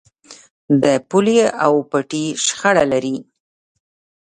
د پولې او پټي شخړه لرئ؟